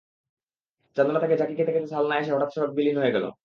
চান্দনা থেকে ঝাঁকি খেতে খেতে সালনায় এসে হঠাৎ যেন সড়ক বিলীন হয়ে গেল।